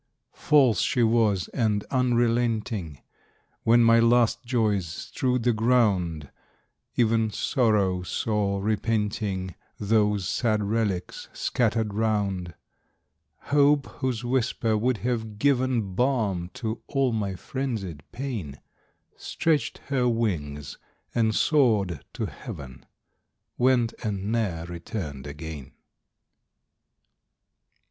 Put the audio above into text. False she was, and unrelenting; When my last joys strewed the ground, Even Sorrow saw, repenting, Those sad relics scattered round; Hope, whose whisper would have given Balm to all my frenzied pain, Stretched her wings, and soared to heaven, Went, and ne'er returned again!